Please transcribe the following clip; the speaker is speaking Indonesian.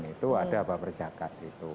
itu ada baperjakat itu